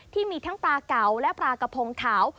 ที่มีทั้งปลาเก่าและปลากระพงขาว